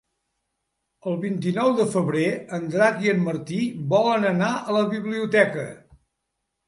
El vint-i-nou de febrer en Drac i en Martí volen anar a la biblioteca.